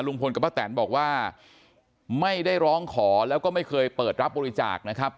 กับป้าแตนบอกว่าไม่ได้ร้องขอแล้วก็ไม่เคยเปิดรับบริจาคนะครับ